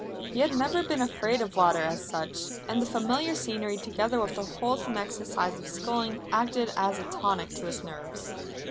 He had never been afraid of water, as such. And the familiar scenery, together with the wholesome exercise of sculling, acted as a tonic to his nerves.